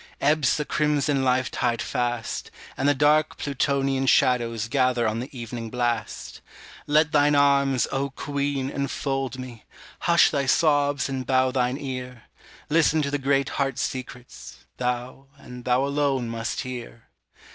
Ebbs the crimson life tide fast, And the dark Plutonian shadows Gather on the evening blast; Let thine arms, O Queen, enfold me, Hush thy sobs and bow thine ear; Listen to the great heart secrets, Thou, and thou alone, must hear.